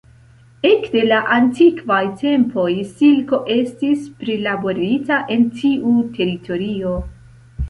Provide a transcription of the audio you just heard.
Ekde la antikvaj tempoj silko estis prilaborita en tiu teritorio.